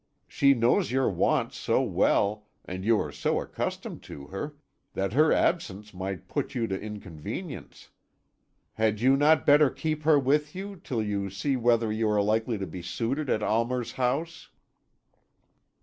She knows your wants so well, and you are so accustomed to her, that her absence might put you to inconvenience. Had you not better keep her with you till you see whether you are likely to be suited at Almer's house?"